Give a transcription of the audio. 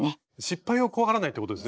失敗を怖がらないってこと？